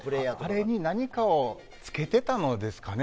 あれに何かをつけていたのですかね。